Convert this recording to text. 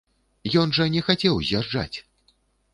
Ён жа не хацеў з'язджаць!